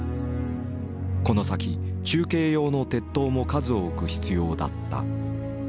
この先中継用の鉄塔も数多く必要だった。